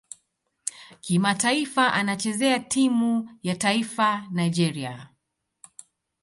Kimataifa anachezea timu ya taifa Nigeria.